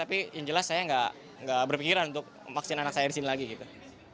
tapi yang jelas saya nggak berpikiran untuk vaksin anak saya di sini lagi gitu